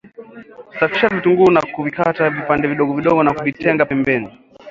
Safisha vitunguu na kuvikata vipande vidogo vidogo na kuvitenga pembeni